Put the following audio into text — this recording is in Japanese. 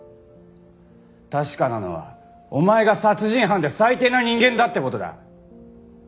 確かなのはお前が殺人犯で最低な人間だって事だ。